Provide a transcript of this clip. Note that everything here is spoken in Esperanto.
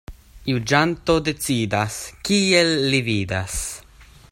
Juĝanto decidas, kiel li vidas.